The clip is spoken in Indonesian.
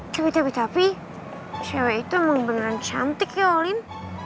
coba capek tapi cewek itu emang beneran cantik ya olin